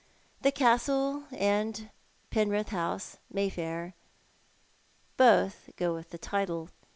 " The Castle, and Penrith House, Mayfair, both go with the title.